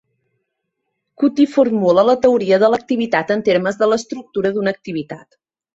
Kuutti formula la teoria de l'activitat en termes de l'estructura d'una activitat.